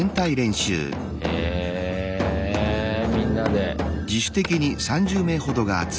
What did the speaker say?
へぇみんなで。